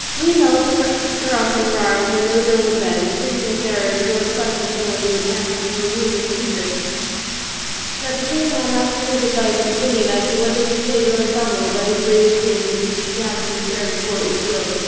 Leonela took her up in her arms and laid her on the bed, entreating Lothario to go in quest of some one to attend to her wound in secret, and at the same time asking his advice and opinion as to what they should say to Anselmo about his lady's wound if he should chance to return before it was healed.